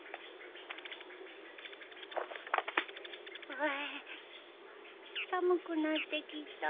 うう寒くなってきた。